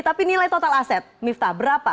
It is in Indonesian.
tapi nilai total aset miftah berapa